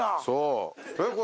そう！